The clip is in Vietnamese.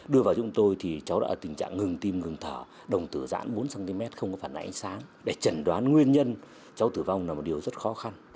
đưa vào chúng tôi thì cháu đã tình trạng ngừng tim ngừng thở đồng tử giãn bốn cm không có phản ánh ánh sáng để chẩn đoán nguyên nhân cháu tử vong là một điều rất khó khăn